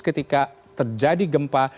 ketika terjadi gempa